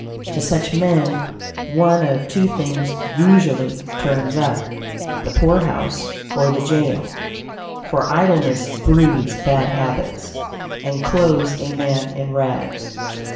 To such men one of two things usually "turns up:" the poorhouse or the jail; for idleness breeds bad habits, and clothes a man in rags.